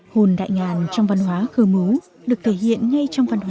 hồn đại ngàn trong văn hóa khơ mú được thể hiện ngay trong văn hóa sổng họ